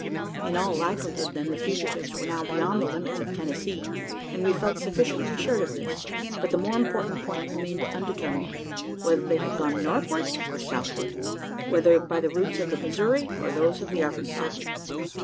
In all likelihood, then, the fugitives were now beyond the limits of Tennessee; and we felt sufficiently assured of this. But the more important point remained undetermined whether they had gone northward or southward whether by the routes of the Missouri or those of the Arkansas?